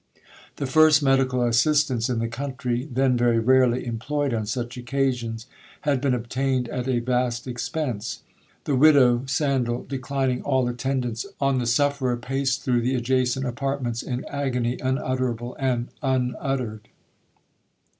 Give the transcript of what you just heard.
'The first medical assistance in the country (then very rarely employed on such occasions) had been obtained at a vast expence. The widow Sandal, declining all attendance on the sufferer, paced through the adjacent apartments in agony unutterable and unuttered.